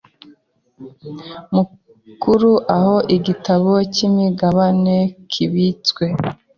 mukuru aho igitabo cy imigabane kibitswe